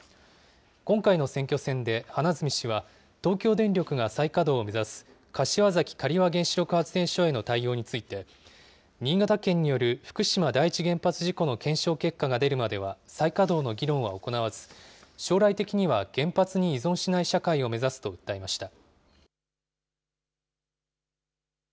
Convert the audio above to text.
今回の選挙戦で花角氏は、東京電力が再稼働を目指す、柏崎刈羽原子力発電所への対応について、新潟県による福島第一原発事故の検証結果が出るまでは再稼働の議論は行わず、将来的には原発に依存しない社会を目指すと訴えました。